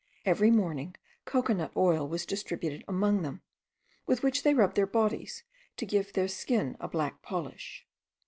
Every morning cocoa nut oil was distributed among them, with which they rubbed their bodies, to give their skin a black polish.